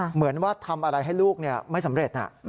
เหมือนว่าทำอะไรให้ลูกไม่สำเร็จ